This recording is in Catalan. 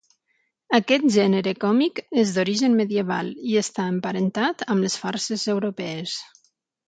Aquest gènere còmic és d'origen medieval i està emparentat amb les farses europees.